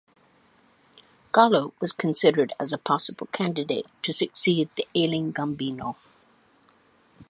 Gallo was considered as a possible candidate to succeed the ailing Gambino.